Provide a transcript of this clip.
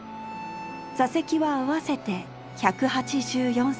座席は合わせて１８４席。